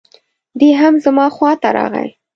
دی هم زما خواته راغی.